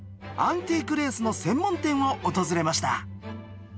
アンティークレースの専門店を訪れました。